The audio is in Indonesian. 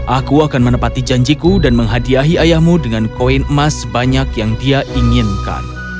aku akan menepati janjiku dan menghadiahi ayahmu dengan koin emas sebanyak yang dia inginkan